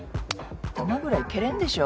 球ぐらい蹴れんでしょ。